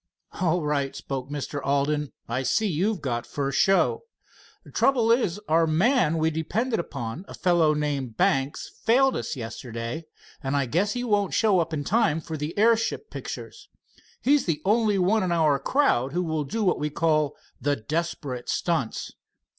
"All right," spoke Mr. Alden. "I see you've got first show. Trouble is, our man we depended on, a fellow named Banks, failed us yesterday, and I guess he won't show up in time for the airship pictures. He is the only one in our crowd who will do what we call the desperate stunts."